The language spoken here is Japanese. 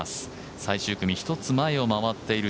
最終組、１つ前を回っています